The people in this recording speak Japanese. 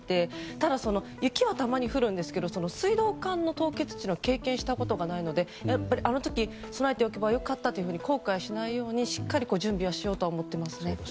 ただ、雪はたまに降るんですが水道管の凍結は経験したことがないのであの時、備えておけばよかったと後悔しないようにしっかり準備をしようとは思っていますね。